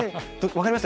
分かります。